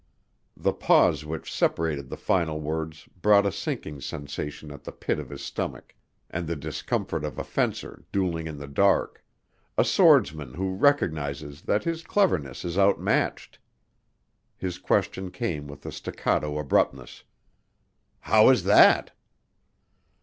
The pause which separated the final words brought a sinking sensation at the pit of his stomach, and the discomfort of a fencer, dueling in the dark a swordsman who recognizes that his cleverness is outmatched. His question came with a staccato abruptness. "How is that?"